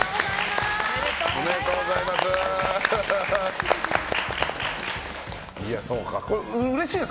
おめでとうございます。